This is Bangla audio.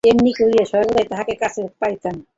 কারণ, এমনি করিয়া সর্বদাই তাঁহাকে কাছে পাইতাম।